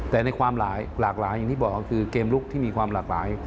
แต่ในความหลากหลายอย่างที่บอกก็คือเกมลุกที่มีความหลากหลาย